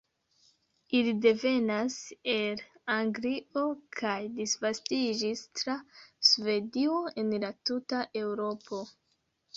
Ili devenas el Anglio kaj disvastiĝis tra Svedio en la tuta Eŭropo.